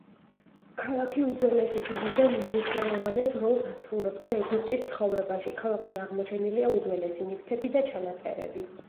ქალაქი უძველესი დროიდან უმნიშვნელოვანეს როლს ასრულებდა ეგვიპტის ცხოვრებაში, ქალაქში აღმოჩენილია უძველესი ნივთები და ჩანაწერები.